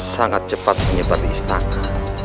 sangat cepat menyebar di istana